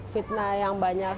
fitnah yang banyak